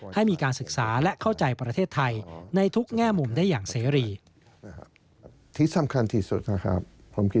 ให้มีการศึกษาและเข้าใจประเทศไทยในทุกแง่มุมได้อย่างเสรี